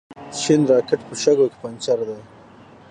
شین راکېټ په شګو کې پنجر دی.